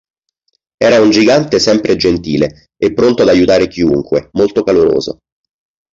Era un gigante sempre gentile e pronto ad aiutare chiunque, molto caloroso.